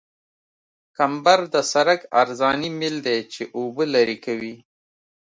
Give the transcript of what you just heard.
کمبر د سرک عرضاني میل دی چې اوبه لرې کوي